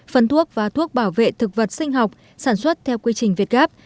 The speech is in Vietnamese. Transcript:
phân thuốc và thuốc bảo vệ thực vật sinh học sản xuất theo quy trình việt gáp